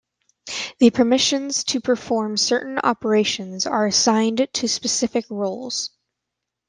The permissions to perform certain operations are assigned to specific roles.